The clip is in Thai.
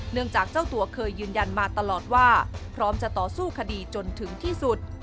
จากเจ้าตัวเคยยืนยันมาตลอดว่าพร้อมจะต่อสู้คดีจนถึงที่สุด